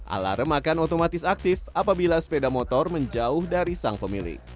alarm akan otomatis aktif apabila sepeda motor menjauh dari sang pemilik